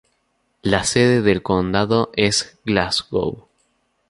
La sede del condado es Glasgow.